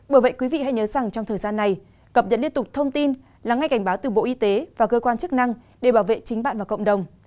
bởi vậy quý vị hãy nhớ rằng trong thời gian này cập nhật liên tục thông tin lắng ngay cảnh báo từ bộ y tế và cơ quan chức năng để bảo vệ chính bạn và cộng đồng